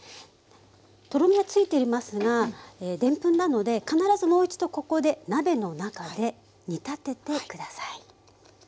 とろみはついていますがデンプンなので必ずもう一度ここで鍋の中で煮立てて下さい。